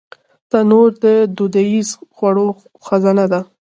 تنور د دودیزو خوړو خزانه ده